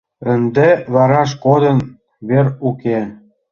Ынде вараш кодын: вер уке.